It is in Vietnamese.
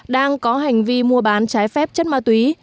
đang có hành vi mua bán trái phép chất ma túy